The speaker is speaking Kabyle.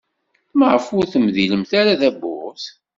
Maɣef ur temdilemt ara tawwurt?